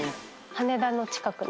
羽田の近くの。